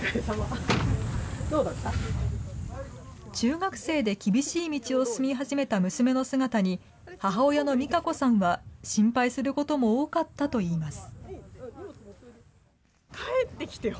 中学生で厳しい道を進み始めた娘の姿に、母親の美鹿子さんは心配することも多かったといいます。